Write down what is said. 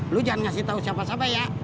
lu jangan ngasih tahu siapa siapa ya